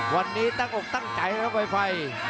วันนี้ตั้งอกตั้งใจครับไฟ